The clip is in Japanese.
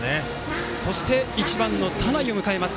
そして１番、田内を迎えます。